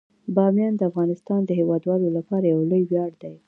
بامیان د افغانستان د هیوادوالو لپاره یو لوی ویاړ دی.